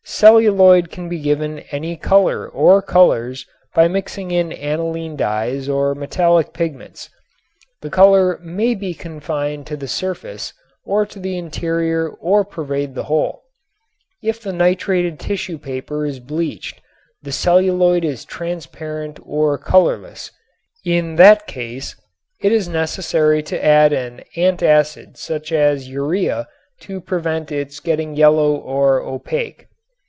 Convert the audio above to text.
Celluloid can be given any color or colors by mixing in aniline dyes or metallic pigments. The color may be confined to the surface or to the interior or pervade the whole. If the nitrated tissue paper is bleached the celluloid is transparent or colorless. In that case it is necessary to add an antacid such as urea to prevent its getting yellow or opaque.